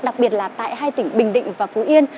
đặc biệt là tại hai tỉnh bình định và phú yên